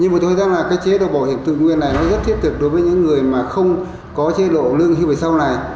nhưng mà tôi rằng là cái chế độ bảo hiểm tự nguyện này nó rất thiết thực đối với những người mà không có chế độ lương hưu về sau này